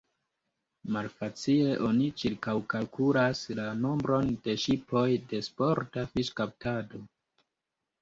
Malfacile oni ĉirkaŭkalkulas la nombron de ŝipoj de sporta fiŝkaptado.